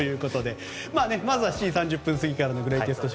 まずは７時３０分過ぎからのグレイテスト